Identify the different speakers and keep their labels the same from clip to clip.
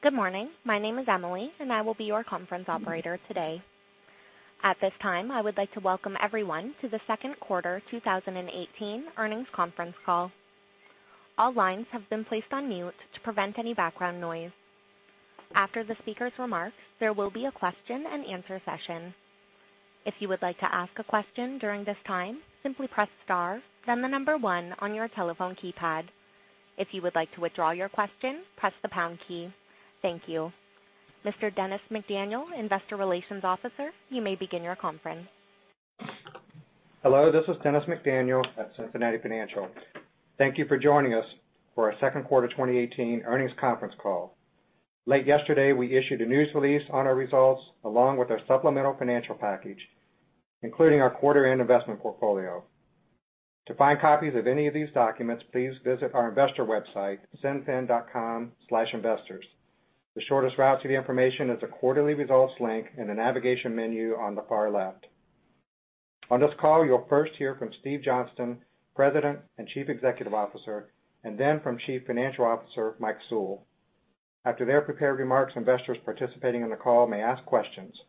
Speaker 1: Good morning. My name is Emily, and I will be your conference operator today. At this time, I would like to welcome everyone to the second quarter 2018 earnings conference call. All lines have been placed on mute to prevent any background noise. After the speaker's remarks, there will be a question and answer session. If you would like to ask a question during this time, simply press star, then the number 1 on your telephone keypad. If you would like to withdraw your question, press the pound key. Thank you. Mr. Dennis McDaniel, investor relations officer, you may begin your conference.
Speaker 2: Hello, this is Dennis McDaniel at Cincinnati Financial. Thank you for joining us for our second quarter 2018 earnings conference call. Late yesterday, we issued a news release on our results along with our supplemental financial package, including our quarter and investment portfolio. To find copies of any of these documents, please visit our investor website, cinfin.com/investors. The shortest route to the information is the quarterly results link in the navigation menu on the far left. On this call, you'll first hear from Steve Johnston, President and Chief Executive Officer, and then from Chief Financial Officer Mike Sewell. After their prepared remarks, investors participating in the call may ask questions.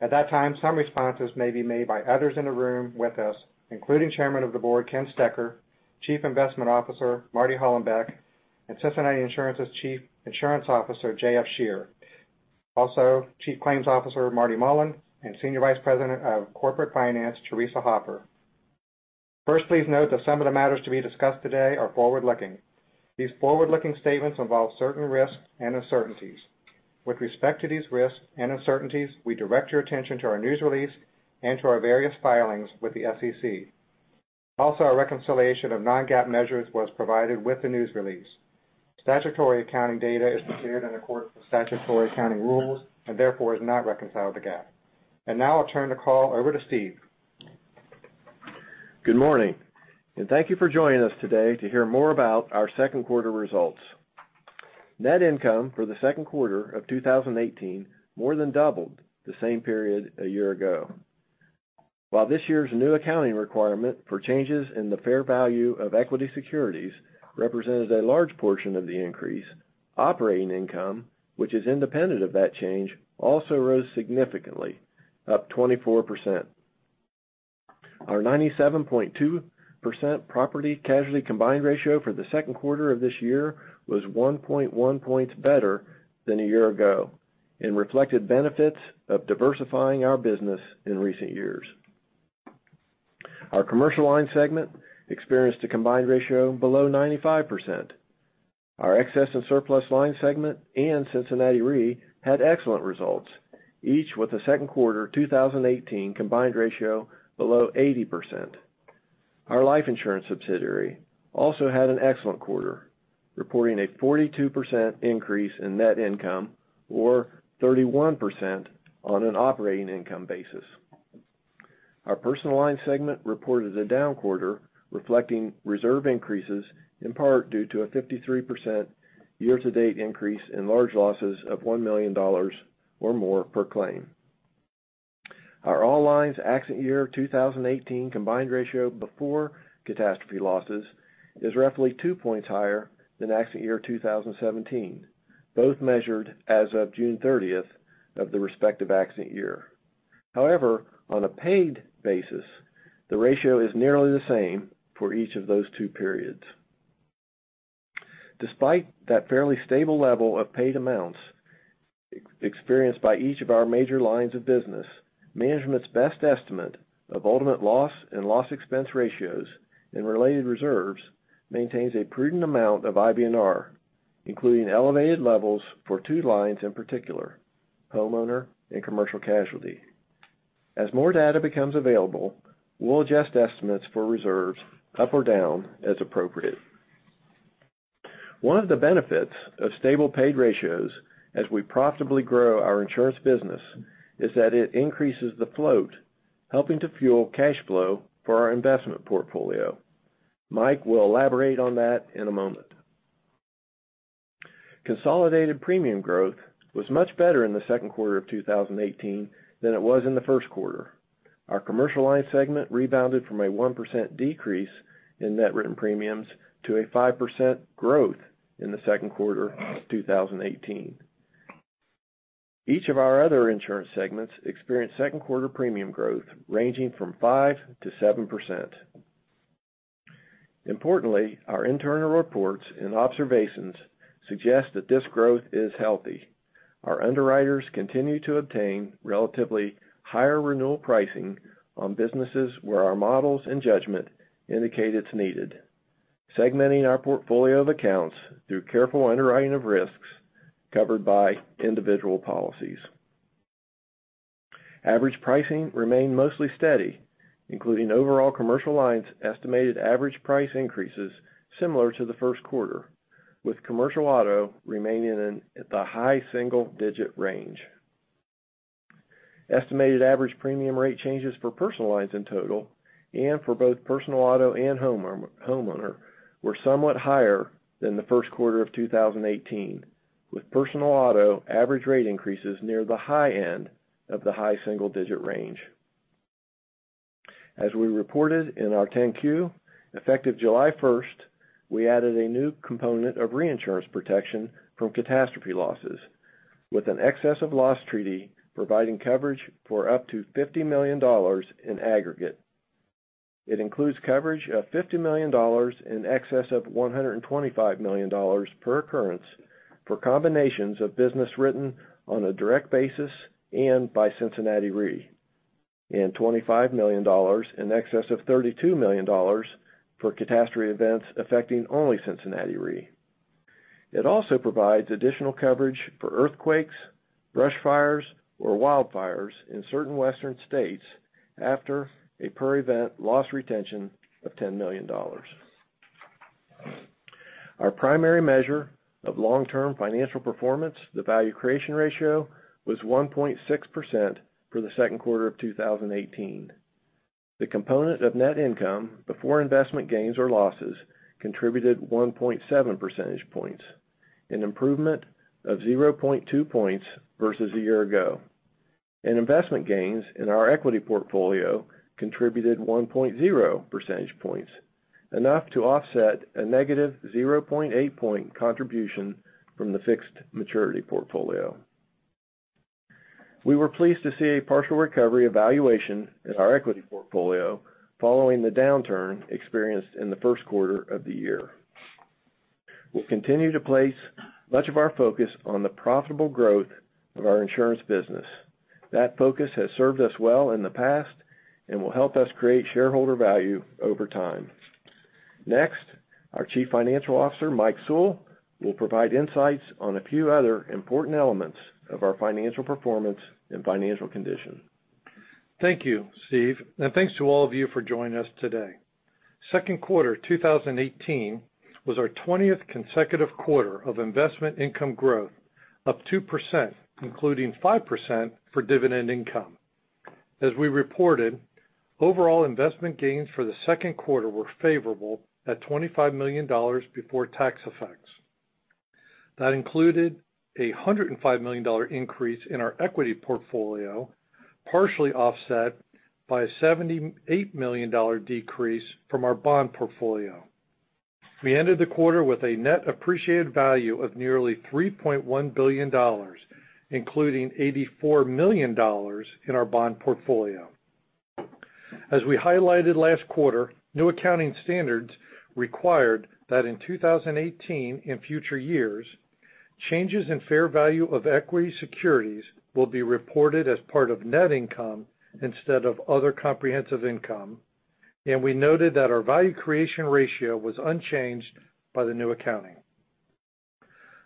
Speaker 2: At that time, some responses may be made by others in the room with us, including Chairman of the Board, Ken Stecher, Chief Investment Officer Marty Hollenbeck, and Cincinnati Insurance's Chief Insurance Officer, J.F. Scherer. Chief Claims Officer Marty Mullen, and Senior Vice President of Corporate Finance, Theresa Hopper. First, please note that some of the matters to be discussed today are forward-looking. These forward-looking statements involve certain risks and uncertainties. With respect to these risks and uncertainties, we direct your attention to our news release and to our various filings with the SEC. Our reconciliation of non-GAAP measures was provided with the news release. Statutory accounting data is prepared in accordance with statutory accounting rules and therefore is not reconciled to GAAP. Now I'll turn the call over to Steve.
Speaker 3: Good morning. Thank you for joining us today to hear more about our second quarter results. Net income for the second quarter of 2018 more than doubled the same period a year ago. While this year's new accounting requirement for changes in the fair value of equity securities represented a large portion of the increase, operating income, which is independent of that change, also rose significantly, up 24%. Our 97.2% property casualty combined ratio for the second quarter of this year was 1.1 points better than a year ago and reflected benefits of diversifying our business in recent years. Our commercial line segment experienced a combined ratio below 95%. Our excess and surplus line segment and Cincinnati Re had excellent results, each with a second quarter 2018 combined ratio below 80%. Our life insurance subsidiary also had an excellent quarter, reporting a 42% increase in net income or 31% on an operating income basis. Our personal line segment reported a down quarter reflecting reserve increases, in part due to a 53% year-to-date increase in large losses of $1 million or more per claim. Our all lines accident year 2018 combined ratio before catastrophe losses is roughly 2 points higher than accident year 2017, both measured as of June 30th of the respective accident year. On a paid basis, the ratio is nearly the same for each of those two periods. Despite that fairly stable level of paid amounts experienced by each of our major lines of business, management's best estimate of ultimate loss and loss expense ratios and related reserves maintains a prudent amount of IBNR, including elevated levels for two lines in particular: homeowner and commercial casualty. As more data becomes available, we'll adjust estimates for reserves up or down as appropriate. One of the benefits of stable paid ratios as we profitably grow our insurance business is that it increases the float, helping to fuel cash flow for our investment portfolio. Mike will elaborate on that in a moment. Consolidated premium growth was much better in the second quarter of 2018 than it was in the first quarter. Our commercial line segment rebounded from a 1% decrease in net written premiums to a 5% growth in the second quarter of 2018. Each of our other insurance segments experienced second quarter premium growth ranging from 5%-7%. Our internal reports and observations suggest that this growth is healthy. Our underwriters continue to obtain relatively higher renewal pricing on businesses where our models and judgment indicate it's needed. Segmenting our portfolio of accounts through careful underwriting of risks covered by individual policies. Average pricing remained mostly steady, including overall commercial lines estimated average price increases similar to the first quarter, with commercial auto remaining in the high single-digit range. Estimated average premium rate changes for personal lines in total and for both personal auto and homeowner were somewhat higher than the first quarter of 2018, with personal auto average rate increases near the high end of the high single-digit range. As we reported in our 10-Q, effective July 1st, we added a new component of reinsurance protection from catastrophe losses, with an excess of loss treaty providing coverage for up to $50 million in aggregate. It includes coverage of $50 million in excess of $125 million per occurrence for combinations of business written on a direct basis and by Cincinnati Re, and $25 million in excess of $32 million for catastrophe events affecting only Cincinnati Re. It also provides additional coverage for earthquakes, brush fires, or wildfires in certain western states after a per-event loss retention of $10 million. Our primary measure of long-term financial performance, the value creation ratio, was 1.6% for the second quarter of 2018. The component of net income before investment gains or losses contributed 1.7 percentage points, an improvement of 0.2 points versus a year ago. Investment gains in our equity portfolio contributed 1.0 percentage points, enough to offset a negative 0.8-point contribution from the fixed maturity portfolio. We were pleased to see a partial recovery in valuation in our equity portfolio following the downturn experienced in the first quarter of the year. We'll continue to place much of our focus on the profitable growth of our insurance business. That focus has served us well in the past and will help us create shareholder value over time. Next, our Chief Financial Officer, Mike Sewell, will provide insights on a few other important elements of our financial performance and financial condition.
Speaker 4: Thank you, Steve, and thanks to all of you for joining us today. Second quarter 2018 was our 20th consecutive quarter of investment income growth, up 2%, including 5% for dividend income. As we reported, overall investment gains for the second quarter were favorable at $25 million before tax effects. That included a $105 million increase in our equity portfolio, partially offset by a $78 million decrease from our bond portfolio. We ended the quarter with a net appreciated value of nearly $3.1 billion, including $84 million in our bond portfolio. As we highlighted last quarter, new accounting standards required that in 2018 and future years, changes in fair value of equity securities will be reported as part of net income instead of other comprehensive income, and we noted that our value creation ratio was unchanged by the new accounting.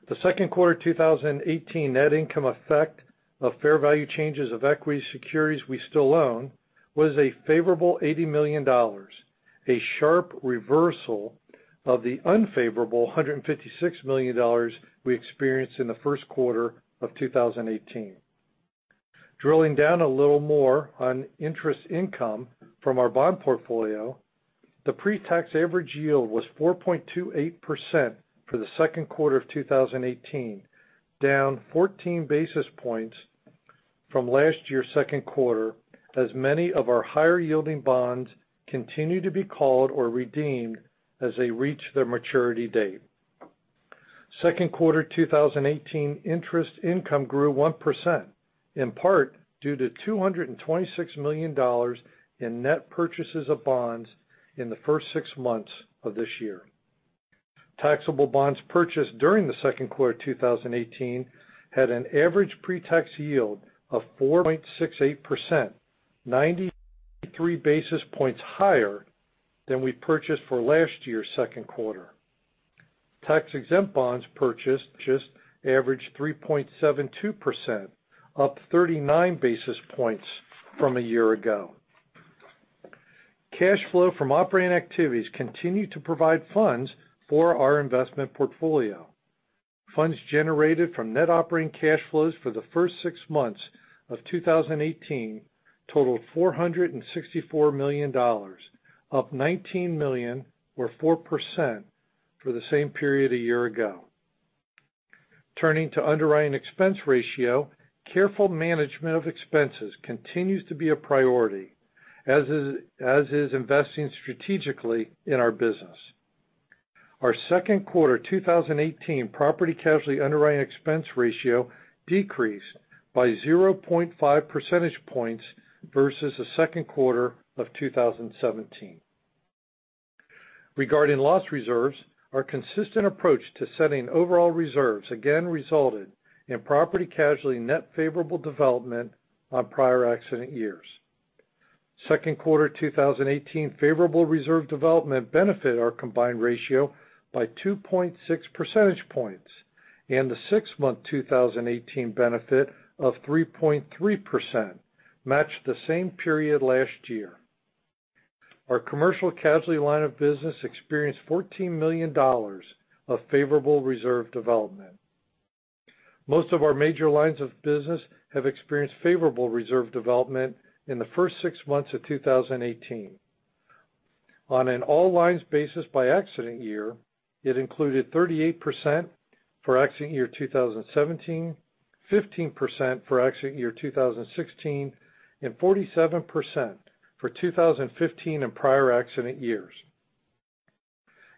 Speaker 4: The second quarter 2018 net income effect of fair value changes of equity securities we still own was a favorable $80 million, a sharp reversal of the unfavorable $156 million we experienced in the first quarter of 2018. Drilling down a little more on interest income from our bond portfolio, the pre-tax average yield was 4.28% for the second quarter of 2018, down 14 basis points from last year second quarter, as many of our higher-yielding bonds continue to be called or redeemed as they reach their maturity date. Second quarter 2018 interest income grew 1%, in part due to $226 million in net purchases of bonds in the first six months of this year. Taxable bonds purchased during the second quarter 2018 had an average pre-tax yield of 4.68%, 93 basis points higher than we purchased for last year second quarter. Tax-exempt bonds purchased just averaged 3.72%, up 39 basis points from a year ago. Cash flow from operating activities continued to provide funds for our investment portfolio. Funds generated from net operating cash flows for the first six months of 2018 totaled $464 million, up $19 million, or 4%, for the same period a year ago. Turning to underwriting expense ratio, careful management of expenses continues to be a priority, as is investing strategically in our business. Our second quarter 2018 property casualty underwriting expense ratio decreased by 0.5 percentage points versus the second quarter of 2017. Regarding loss reserves, our consistent approach to setting overall reserves again resulted in property casualty net favorable development on prior accident years. Second quarter 2018 favorable reserve development benefited our combined ratio by 2.6 percentage points, and the six-month 2018 benefit of 3.3% matched the same period last year. Our commercial casualty line of business experienced $14 million of favorable reserve development. Most of our major lines of business have experienced favorable reserve development in the first six months of 2018. On an all lines basis by accident year, it included 38% for accident year 2017, 15% for accident year 2016, and 47% for 2015 and prior accident years.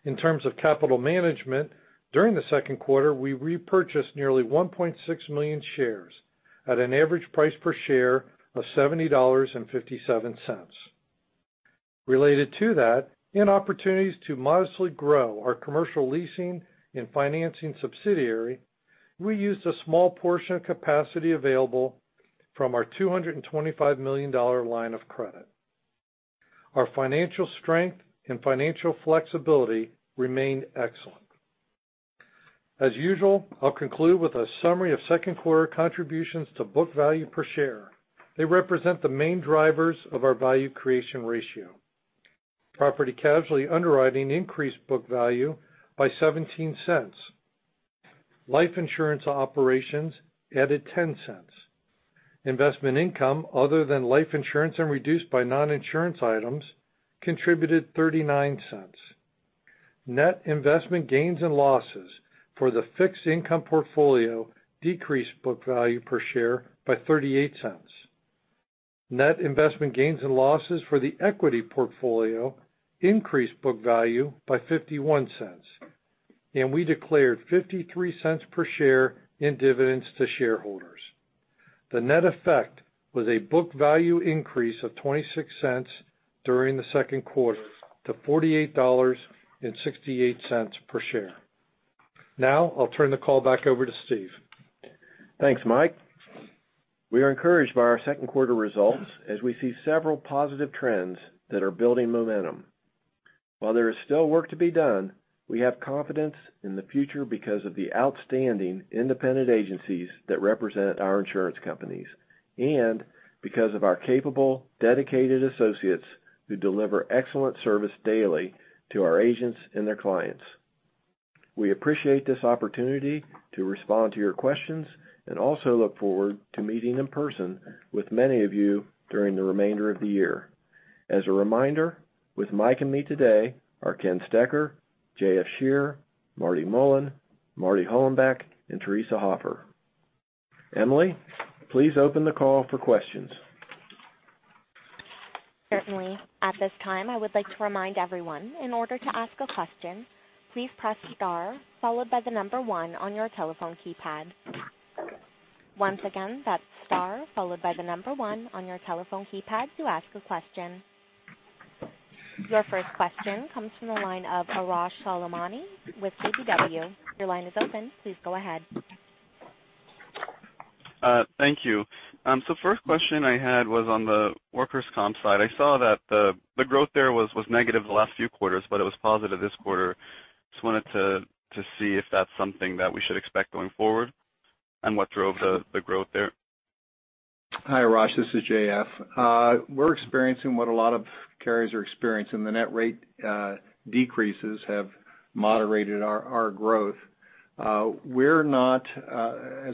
Speaker 4: In terms of capital management, during the second quarter, we repurchased nearly 1.6 million shares at an average price per share of $70.57. Related to that, in opportunities to modestly grow our commercial leasing and financing subsidiary, we used a small portion of capacity available from our $225 million line of credit. Our financial strength and financial flexibility remained excellent. As usual, I'll conclude with a summary of second quarter contributions to book value per share. They represent the main drivers of our value creation ratio. Property casualty underwriting increased book value by $0.17. Life insurance operations added $0.10. Investment income other than life insurance and reduced by non-insurance items contributed $0.39. Net investment gains and losses for the fixed income portfolio decreased book value per share by $0.38. Net investment gains and losses for the equity portfolio increased book value by $0.51, and we declared $0.53 per share in dividends to shareholders. The net effect was a book value increase of $0.26 during the second quarter to $48.68 per share. I'll turn the call back over to Steve.
Speaker 3: Thanks, Mike. We are encouraged by our second quarter results as we see several positive trends that are building momentum. While there is still work to be done, we have confidence in the future because of the outstanding independent agencies that represent our insurance companies and because of our capable, dedicated associates who deliver excellent service daily to our agents and their clients. We appreciate this opportunity to respond to your questions and also look forward to meeting in person with many of you during the remainder of the year. As a reminder, with Mike and me today are Ken Stecher, J.F. Scherer, Marty Mullen, Marty Hollenbeck, and Theresa Hopper. Emily, please open the call for questions.
Speaker 1: Certainly. At this time, I would like to remind everyone, in order to ask a question, please press star followed by the number one on your telephone keypad. Once again, that's star followed by the number one on your telephone keypad to ask a question. Your first question comes from the line of Arash Salmani with KBW. Your line is open. Please go ahead.
Speaker 5: Thank you. First question I had was on the workers' comp side. I saw that the growth there was negative the last few quarters, but it was positive this quarter. Just wanted to see if that's something that we should expect going forward, and what drove the growth there.
Speaker 6: Hi, Arash. This is J.F. We're experiencing what a lot of carriers are experiencing. The net rate decreases have moderated our growth. As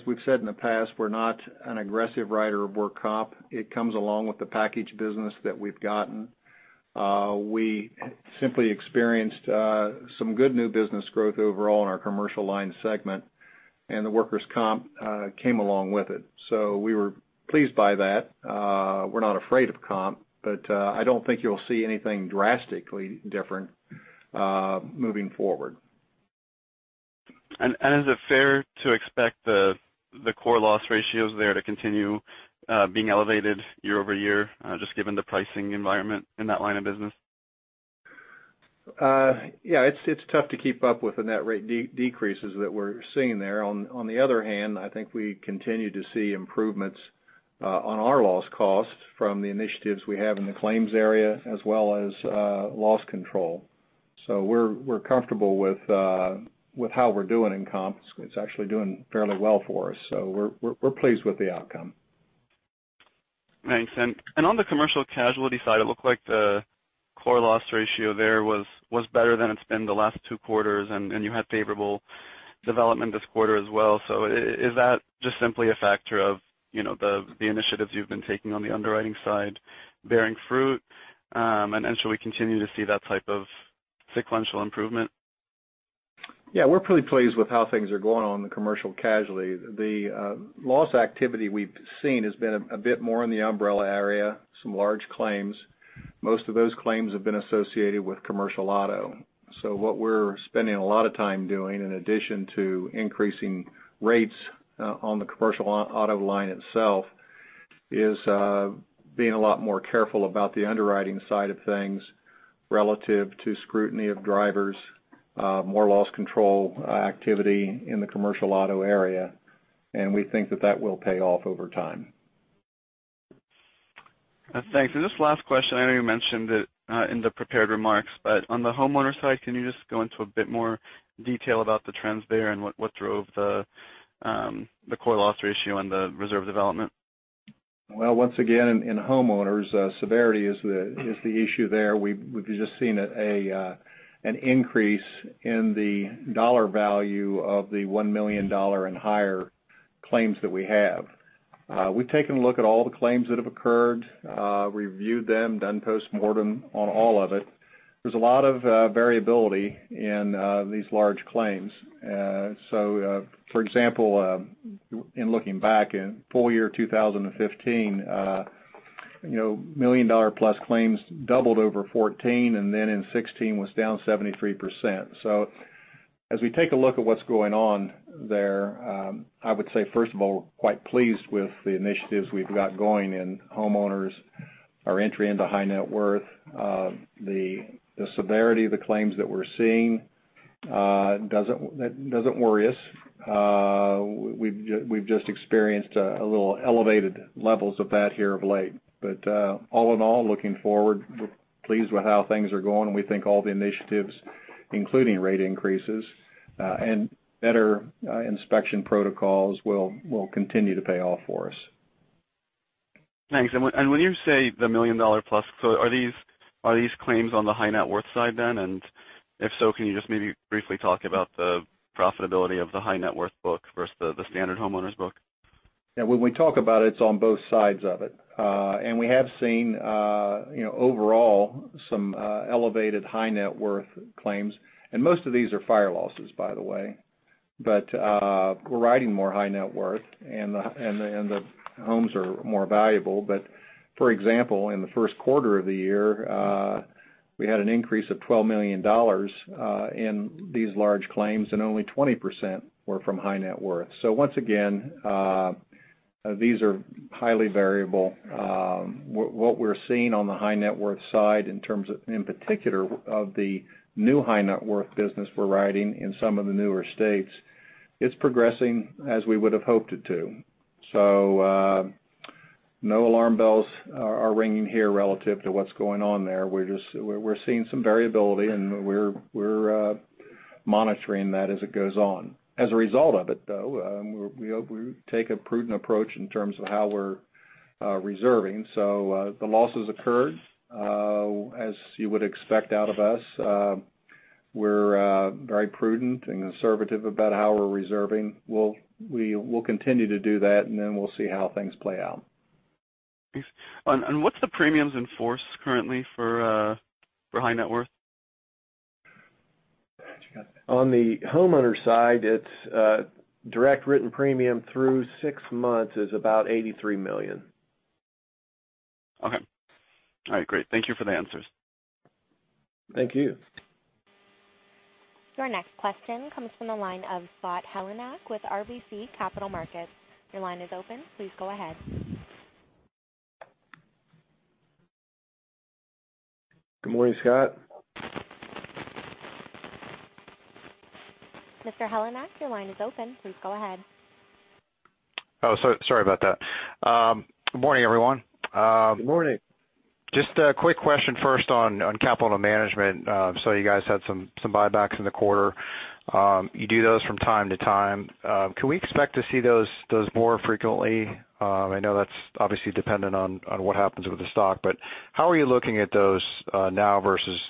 Speaker 6: we've said in the past, we're not an aggressive writer of work comp. It comes along with the package business that we've gotten. We simply experienced some good new business growth overall in our commercial line segment, and the workers' comp came along with it. We were pleased by that. We're not afraid of comp, I don't think you'll see anything drastically different moving forward.
Speaker 5: Is it fair to expect the core loss ratios there to continue being elevated year-over-year just given the pricing environment in that line of business?
Speaker 6: Yeah, it's tough to keep up with the net rate decreases that we're seeing there. On the other hand, I think we continue to see improvements on our loss costs from the initiatives we have in the claims area as well as loss control. We're comfortable with how we're doing in comp. It's actually doing fairly well for us. We're pleased with the outcome.
Speaker 5: Thanks. On the commercial casualty side, it looked like the core loss ratio there was better than it's been the last two quarters. You had favorable development this quarter as well. Is that just simply a factor of the initiatives you've been taking on the underwriting side bearing fruit, and should we continue to see that type of sequential improvement?
Speaker 6: Yeah. We're pretty pleased with how things are going on the commercial casualty. The loss activity we've seen has been a bit more in the umbrella area, some large claims. Most of those claims have been associated with commercial auto. What we're spending a lot of time doing, in addition to increasing rates on the commercial auto line itself, is being a lot more careful about the underwriting side of things relative to scrutiny of drivers, more loss control activity in the commercial auto area, and we think that that will pay off over time.
Speaker 5: Thanks. This last question, I know you mentioned it in the prepared remarks, on the homeowner side, can you just go into a bit more detail about the trends there and what drove the core loss ratio and the reserve development?
Speaker 6: Once again, in homeowners, severity is the issue there. We've just seen an increase in the dollar value of the $1 million and higher claims that we have. We've taken a look at all the claims that have occurred, reviewed them, done postmortem on all of it. There's a lot of variability in these large claims. For example, in looking back in full year 2015, million-dollar plus claims doubled over 2014, and then in 2016 was down 73%. As we take a look at what's going on there, I would say, first of all, we're quite pleased with the initiatives we've got going in homeowners, our entry into high net worth. The severity of the claims that we're seeing, that doesn't worry us. We've just experienced a little elevated levels of that here of late. All in all, looking forward, we're pleased with how things are going, and we think all the initiatives, including rate increases, and better inspection protocols will continue to pay off for us.
Speaker 5: Thanks. When you say the $1 million-plus, are these claims on the high net worth side then? If so, can you just maybe briefly talk about the profitability of the high net worth book versus the standard homeowners book?
Speaker 6: Yeah, when we talk about it's on both sides of it. We have seen overall some elevated high net worth claims, and most of these are fire losses, by the way. We're writing more high net worth and the homes are more valuable. For example, in the first quarter of the year, we had an increase of $12 million in these large claims, and only 20% were from high net worth. Once again, these are highly variable. What we're seeing on the high net worth side in terms of, in particular of the new high net worth business we're writing in some of the newer states, it's progressing as we would have hoped it to. No alarm bells are ringing here relative to what's going on there. We're seeing some variability and we're monitoring that as it goes on. As a result of it, though, we take a prudent approach in terms of how we're reserving. The losses occurred. As you would expect out of us, we're very prudent and conservative about how we're reserving. We'll continue to do that, and we'll see how things play out.
Speaker 5: Thanks. What's the premiums in force currently for high net worth?
Speaker 6: On the homeowner side, it's direct written premium through six months is about $83 million.
Speaker 5: Okay. All right, great. Thank you for the answers.
Speaker 6: Thank you.
Speaker 1: Your next question comes from the line of Scott Heleniak with RBC Capital Markets. Your line is open. Please go ahead.
Speaker 6: Good morning, Scott.
Speaker 1: Mr. Heleniak, your line is open. Please go ahead.
Speaker 7: Oh, sorry about that. Good morning, everyone.
Speaker 6: Good morning.
Speaker 7: Just a quick question first on capital management. Saw you guys had some buybacks in the quarter. You do those from time to time. Can we expect to see those more frequently? I know that's obviously dependent on what happens with the stock, but how are you looking at those now versus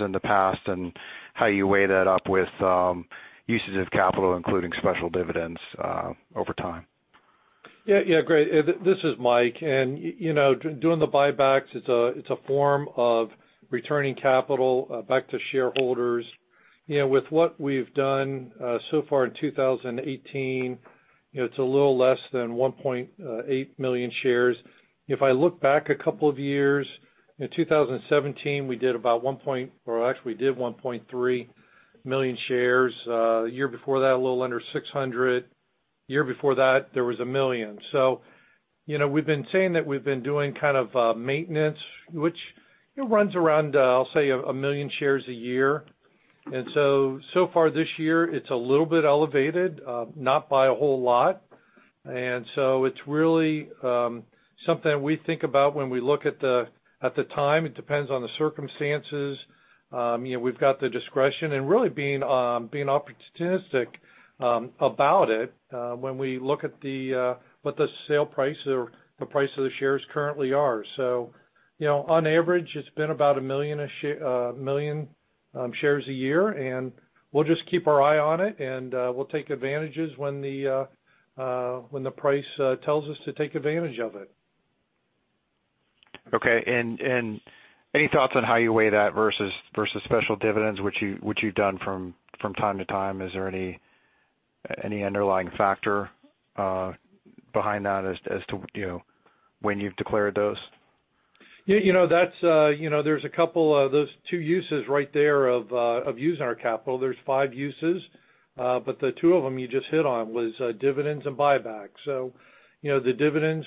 Speaker 7: in the past and how you weigh that up with usage of capital, including special dividends over time?
Speaker 4: Yeah, great. This is Mike. Doing the buybacks, it's a form of returning capital back to shareholders. With what we've done so far in 2018, it's a little less than 1.8 million shares. If I look back a couple of years, in 2017, we did actually 1.3 million shares. Year before that, a little under 600. Year before that, there was 1 million. We've been saying that we've been doing kind of a maintenance, which runs around, I'll say 1 million shares a year. So far this year it's a little bit elevated, not by a whole lot. It's really something we think about when we look at the time. It depends on the circumstances. We've got the discretion, really being opportunistic about it when we look at what the sale price or the price of the shares currently are. On average, it's been about 1 million shares a year, and we'll just keep our eye on it and we'll take advantages when the price tells us to take advantage of it.
Speaker 7: Okay. Any thoughts on how you weigh that versus special dividends, which you've done from time to time? Is there any underlying factor behind that as to when you've declared those?
Speaker 4: There's a couple of those two uses right there of using our capital. There's five uses, the two of them you just hit on was dividends and buybacks. The dividends,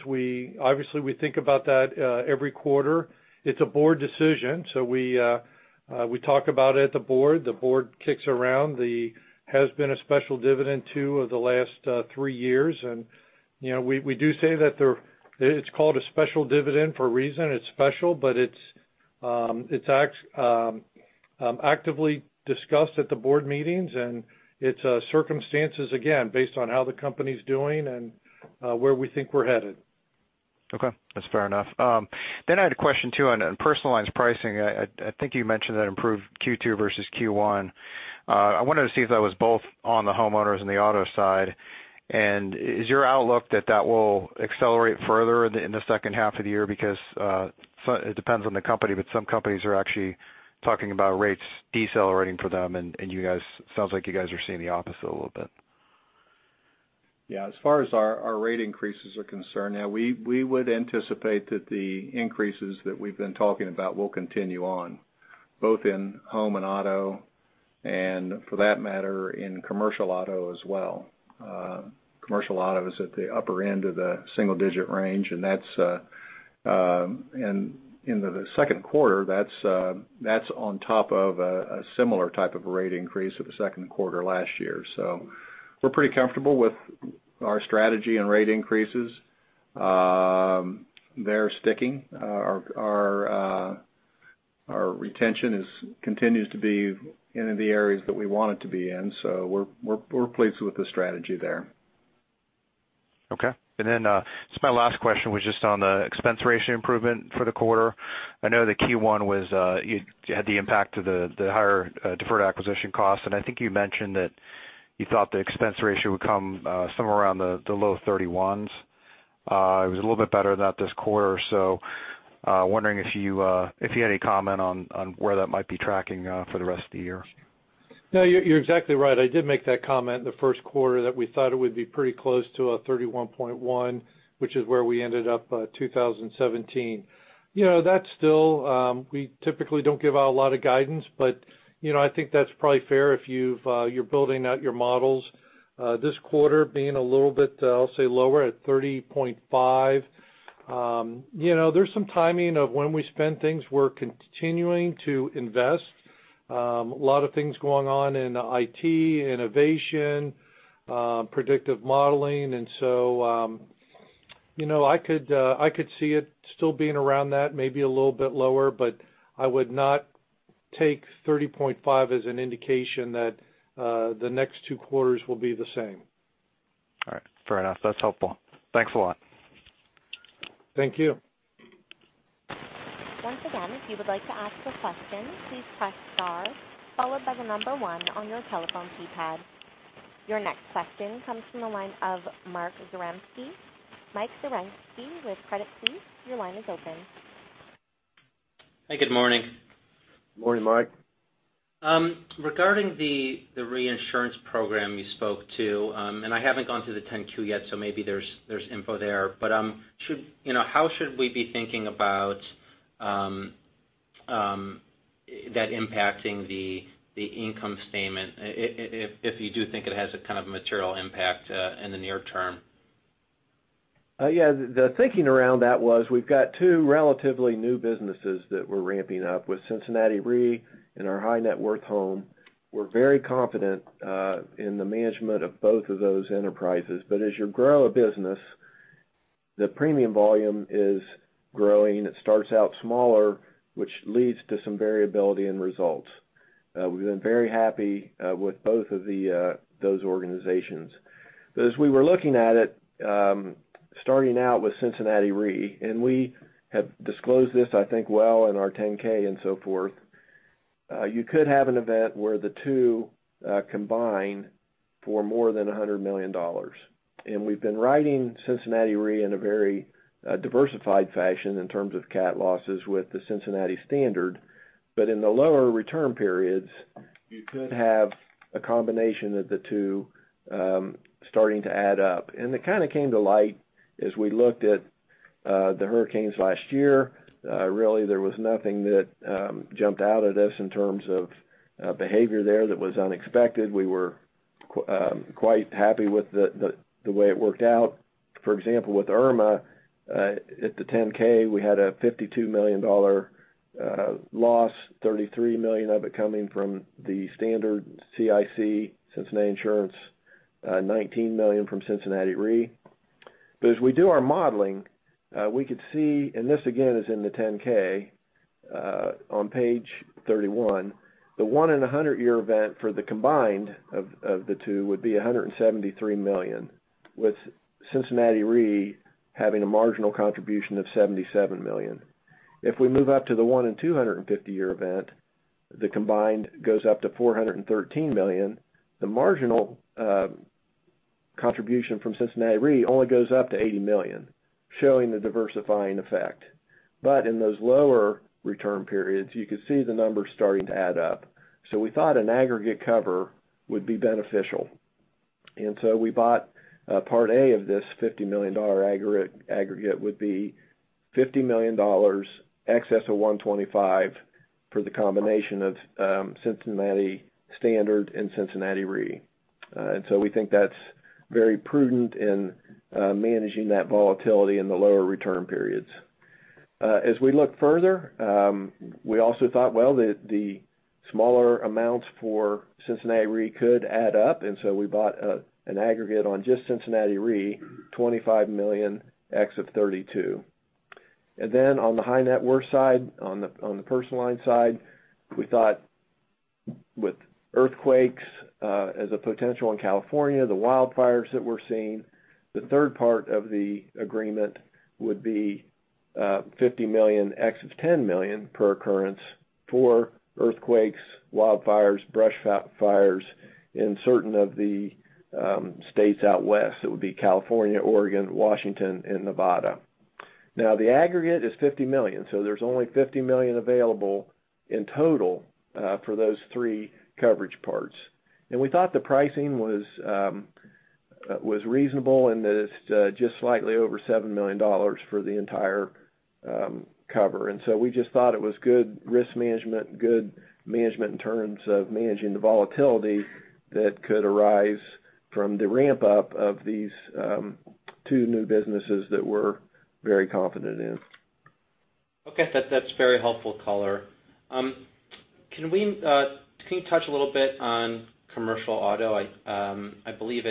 Speaker 4: obviously we think about that every quarter. It's a board decision, we talk about it at the board. The board kicks around. There has been a special dividend two of the last three years, we do say that it's called a special dividend for a reason. It's special, it's actively discussed at the board meetings, it's circumstances, again, based on how the company's doing and where we think we're headed.
Speaker 7: Okay, that's fair enough. I had a question too on personalized pricing. I think you mentioned that improved Q2 versus Q1. I wanted to see if that was both on the homeowners and the auto side. Is your outlook that that will accelerate further in the second half of the year? It depends on the company, some companies are actually talking about rates decelerating for them, it sounds like you guys are seeing the opposite a little bit.
Speaker 3: As far as our rate increases are concerned, we would anticipate that the increases that we've been talking about will continue on, both in home and auto, for that matter, in commercial auto as well. Commercial auto is at the upper end of the single-digit range, in the second quarter, that's on top of a similar type of rate increase of the second quarter last year. We're pretty comfortable with our strategy and rate increases. They're sticking. Our retention continues to be in the areas that we want it to be in. We're pleased with the strategy there.
Speaker 7: Okay. My last question was just on the expense ratio improvement for the quarter. I know that Q1 had the impact of the higher deferred acquisition costs, I think you mentioned that you thought the expense ratio would come somewhere around the low 31s. It was a little bit better than that this quarter. Wondering if you had any comment on where that might be tracking for the rest of the year.
Speaker 4: No, you're exactly right. I did make that comment in the first quarter that we thought it would be pretty close to a 31.1, which is where we ended up 2017. We typically don't give out a lot of guidance, I think that's probably fair if you're building out your models. This quarter being a little bit, I'll say, lower at 30.5. There's some timing of when we spend things. We're continuing to invest. A lot of things going on in IT, innovation, predictive modeling, I could see it still being around that, maybe a little bit lower, I would not take 30.5 as an indication that the next two quarters will be the same.
Speaker 7: All right. Fair enough. That's helpful. Thanks a lot.
Speaker 4: Thank you.
Speaker 1: Once again, if you would like to ask a question, please press star followed by the number 1 on your telephone keypad. Your next question comes from the line of Mike Zaremski with Credit Suisse. Your line is open.
Speaker 8: Hi, good morning.
Speaker 3: Morning, Mike.
Speaker 8: Regarding the reinsurance program you spoke to, and I haven't gone through the 10-Q yet, so maybe there's info there, but how should we be thinking about that impacting the income statement, if you do think it has a kind of material impact in the near term?
Speaker 3: Yeah. The thinking around that was we've got two relatively new businesses that we're ramping up with Cincinnati Re and our high net worth home. We're very confident in the management of both of those enterprises. As you grow a business, the premium volume is growing. It starts out smaller, which leads to some variability in results. We've been very happy with both of those organizations. As we were looking at it, starting out with Cincinnati Re, we have disclosed this, I think well in our 10-K and so forth, you could have an event where the two combine for more than $100 million. We've been writing Cincinnati Re in a very diversified fashion in terms of cat losses with the Cincinnati standard. In the lower return periods, you could have a combination of the two starting to add up. It kind of came to light as we looked at the hurricanes last year. Really, there was nothing that jumped out at us in terms of behavior there that was unexpected. We were quite happy with the way it worked out. For example, with Hurricane Irma, at the 10-K, we had a $52 million loss, $33 million of it coming from the standard CIC, Cincinnati Insurance, $19 million from Cincinnati Re. As we do our modeling, we could see, this again is in the 10-K on page 31, the one in 100 year event for the combined of the two would be $173 million, with Cincinnati Re having a marginal contribution of $77 million. If we move up to the one in 250 year event, the combined goes up to $413 million. The marginal contribution from Cincinnati Re only goes up to $80 million, showing the diversifying effect. In those lower return periods, you could see the numbers starting to add up. We thought an aggregate cover would be beneficial. We bought part A of this $50 million aggregate would be $50 million excess of $125 for the combination of Cincinnati standard and Cincinnati Re. We think that's very prudent in managing that volatility in the lower return periods. As we look further, we also thought, well, the smaller amounts for Cincinnati Re could add up, we bought an aggregate on just Cincinnati Re, $25 million excess of $32. On the high net worth side, on the personal line side, we thought with earthquakes as a potential in California, the wildfires that we're seeing, the third part of the agreement would be $50 million, excess of $10 million per occurrence for earthquakes, wildfires, brush fires in certain of the states out west. It would be California, Oregon, Washington, and Nevada. The aggregate is $50 million, so there's only $50 million available in total for those three coverage parts. We thought the pricing was reasonable and that it's just slightly over $7 million for the entire cover. We just thought it was good risk management, good management in terms of managing the volatility that could arise from the ramp-up of these two new businesses that we're very confident in.
Speaker 8: Okay. That's very helpful color. Can you touch a little bit on commercial auto? I believe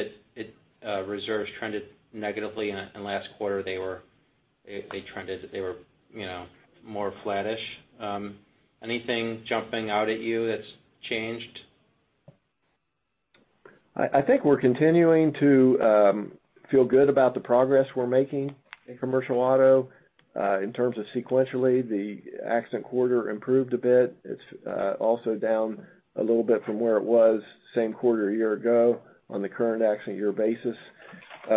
Speaker 8: reserves trended negatively, and last quarter they trended that they were more flattish. Anything jumping out at you that's changed?
Speaker 3: I think we're continuing to feel good about the progress we're making in commercial auto. In terms of sequentially, the accident quarter improved a bit. It's also down a little bit from where it was same quarter a year ago on the current accident year basis.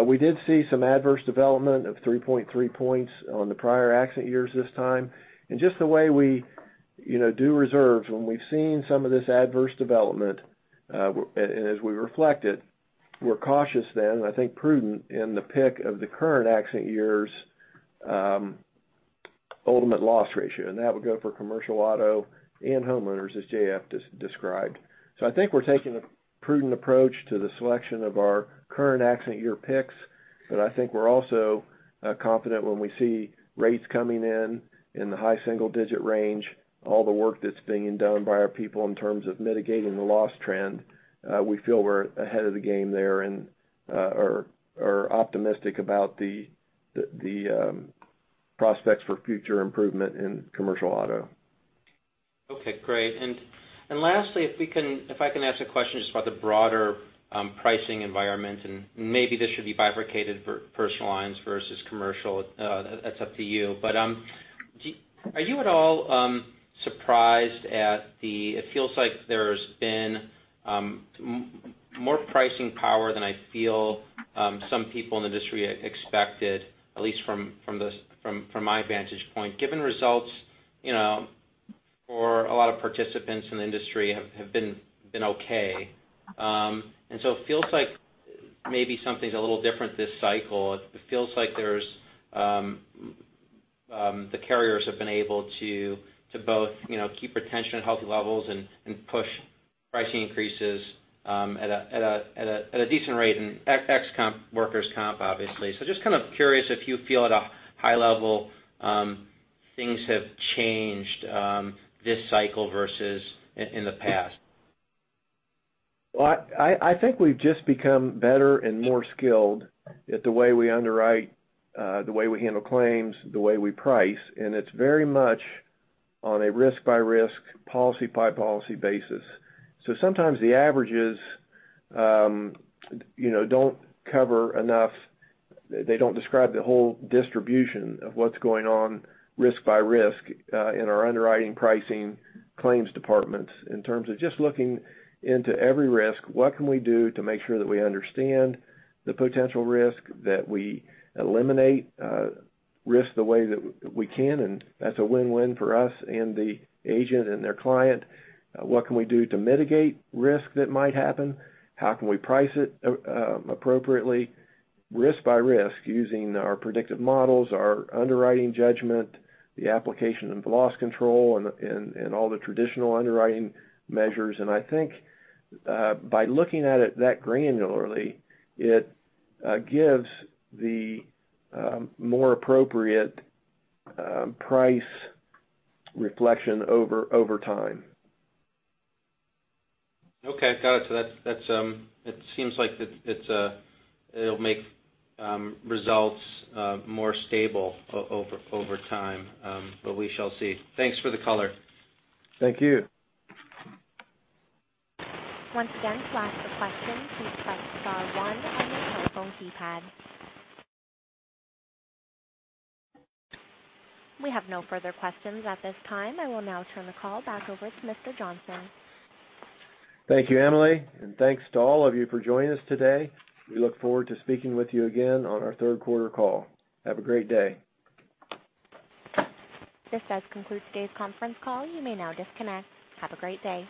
Speaker 3: We did see some adverse development of 3.3 points on the prior accident years this time. Just the way we do reserves, when we've seen some of this adverse development, and as we reflect it, we're cautious then, and I think prudent in the pick of the current accident year's ultimate loss ratio. That would go for commercial auto and homeowners, as J.F. described. I think we're taking a prudent approach to the selection of our current accident year picks. I think we're also confident when we see rates coming in in the high single-digit range, all the work that's being done by our people in terms of mitigating the loss trend, we feel we're ahead of the game there and are optimistic about the prospects for future improvement in commercial auto.
Speaker 8: Okay, great. Lastly, if I can ask a question just about the broader pricing environment, and maybe this should be bifurcated for personal lines versus commercial. That's up to you. Are you at all surprised at it feels like there's been more pricing power than I feel some people in the industry expected, at least from my vantage point, given results for a lot of participants in the industry have been okay. It feels like maybe something's a little different this cycle. It feels like the carriers have been able to both keep retention at healthy levels and push pricing increases at a decent rate ex-comp, workers' comp, obviously. Just kind of curious if you feel at a high level things have changed this cycle versus in the past.
Speaker 3: Well, I think we've just become better and more skilled at the way we underwrite, the way we handle claims, the way we price. It's very much on a risk by risk, policy by policy basis. Sometimes the averages don't cover enough. They don't describe the whole distribution of what's going on risk by risk in our underwriting pricing claims departments in terms of just looking into every risk. What can we do to make sure that we understand the potential risk, that we eliminate risk the way that we can, and that's a win-win for us and the agent and their client. What can we do to mitigate risk that might happen? How can we price it appropriately risk by risk using our predictive models, our underwriting judgment, the application of loss control, and all the traditional underwriting measures? I think by looking at it that granularly, it gives the more appropriate price reflection over time.
Speaker 8: Okay, got it. It seems like it'll make results more stable over time, but we shall see. Thanks for the color.
Speaker 3: Thank you.
Speaker 1: Once again, to ask a question, please press star one on your telephone keypad. We have no further questions at this time. I will now turn the call back over to Mr. Johnston.
Speaker 3: Thank you, Emily, and thanks to all of you for joining us today. We look forward to speaking with you again on our third quarter call. Have a great day.
Speaker 1: This does conclude today's conference call. You may now disconnect. Have a great day.